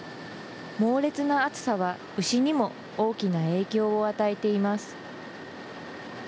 猛烈な暑さは牛にも大きな影響を与えています。